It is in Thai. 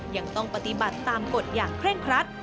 ยังต้องปฏิบัติตามกฎอย่างเคร่งครัด